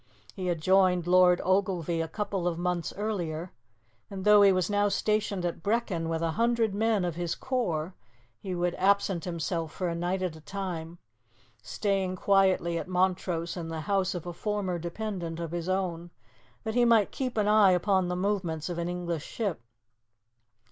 He had joined Lord Ogilvie a couple of months earlier, and, though he was now stationed at Brechin with a hundred men of his corps, he would absent himself for a night at a time, staying quietly at Montrose in the house of a former dependent of his own, that he might keep an eye upon the movements of an English ship.